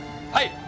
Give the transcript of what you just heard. はい！